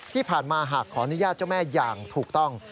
ที่ผ่านมาหากขออนุญาตเจ้าแม่อย่างถูกต้อง